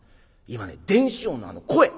今ね電子音のあの声。